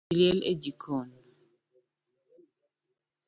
Mach liel e jikon.